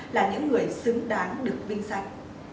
là những người xứng đáng được vinh danh